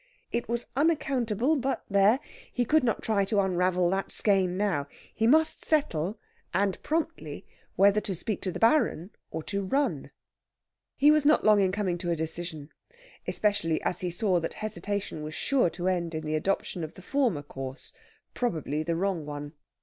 It was unaccountable but there! he could not try to unravel that skein now. He must settle, and promptly, whether to speak to the Baron or to run. He was not long in coming to a decision, especially as he saw that hesitation was sure to end in the adoption of the former course probably the wrong one.